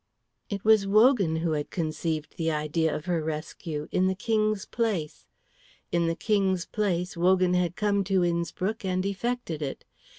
It was Wogan who had conceived the idea of her rescue in the King's place. In the King's place, Wogan had come to Innspruck and effected it.